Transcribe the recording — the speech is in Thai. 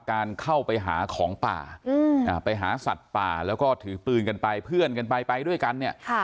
การเข้าไปหาของป่าไปหาสัตว์ป่าแล้วก็ถือปืนกันไปเพื่อนกันไปไปด้วยกันเนี่ย